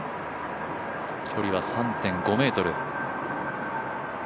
距離は３．５ｍ。